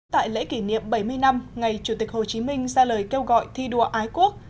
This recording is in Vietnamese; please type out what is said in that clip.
tại lễ kỷ niệm bảy mươi năm ngày chủ tịch hồ chí minh ra lời kêu gọi thi đua ái quốc